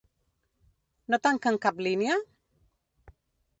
No tanquen cap línia?